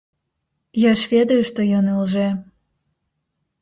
Я ж ведаю, што ён ілжэ.